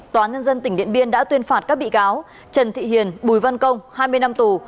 tòa nhân dân tỉnh điện biên đã tuyên phạt các bị cáo trần thị hiền bùi văn công hai mươi năm tù